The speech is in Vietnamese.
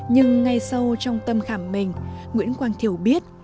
nhưng ngay sau trong tâm khảm mình nguyễn quang thiều biết